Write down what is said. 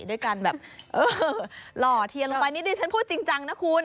ด้วยการแบบเออหล่อเทียนลงไปนี่ดิฉันพูดจริงจังนะคุณ